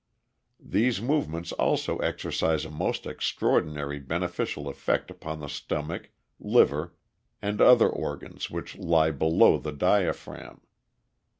These movements also exercise a most extraordinary beneficial effect upon the stomach, liver, and other organs which lie below the diaphragm.